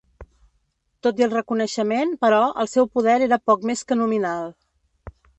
Tot i el reconeixement, però, el seu poder era poc més que nominal.